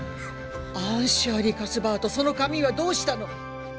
アン・シャーリー・カスバートその髪はどうしたの？